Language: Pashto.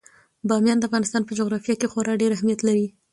بامیان د افغانستان په جغرافیه کې خورا ډیر ستر اهمیت لري.